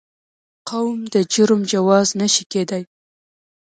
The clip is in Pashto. قوم د جرم جواز نه شي کېدای.